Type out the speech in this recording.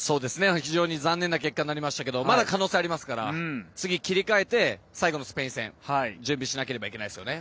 非常に残念な結果になりましたけどまだ可能性はありますから次、切り替えて最後のスペイン戦準備しなければいけないですよね。